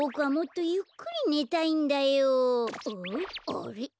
あれ？